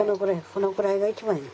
このくらいが一番いい。